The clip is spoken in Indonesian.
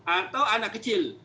atau anak kecil